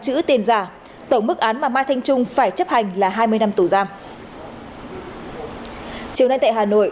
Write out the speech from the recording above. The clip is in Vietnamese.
chữ tiền giả tổng mức án mà mai thanh trung phải chấp hành là hai mươi năm tù giam chiều nay tại hà nội